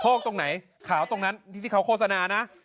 กตรงไหนขาวตรงนั้นที่เขาโฆษณานะ